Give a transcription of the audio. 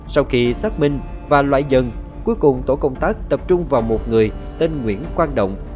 sau khi xác minh và loại dần cuối cùng tổ công tác tập trung vào một người tên nguyễn quang động